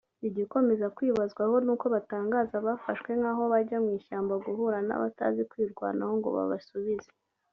Igikomeza kwibazwaho ni uko batanganza abafashwe nk’aho bajya mu ishyamba guhura n’abatazi kwirwanaho ngo babasuibize